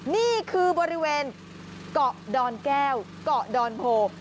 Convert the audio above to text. นี่คือบริเวณเกาะดอนแก้วเกาะดอนโพ